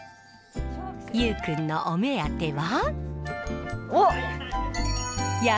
佑宇くんのお目当ては。